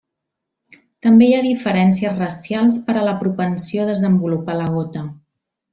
També hi ha diferències racials per a la propensió a desenvolupar la gota.